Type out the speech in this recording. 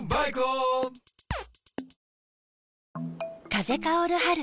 風薫る春。